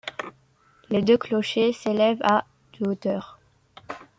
Les deux clochers s’élèvent à de hauteur.